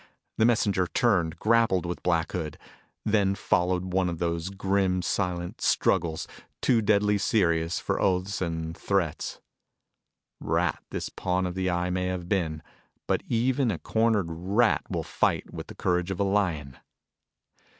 The messenger turned, grappled with Black Hood. Then followed one of those grim, silent struggles, too deadly serious for oaths and threats. Rat this pawn of the Eye may have been, but even a cornered rat will fight with the courage of a lion.